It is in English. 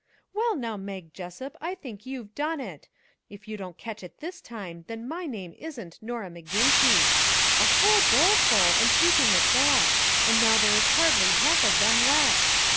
" Well, now, Mag Jessup, I think you've done it! If you don't catch it this time, then my name isn't Norah McGinty ! A whole bowl full, and heaping at that, and now there is hardly half of them left.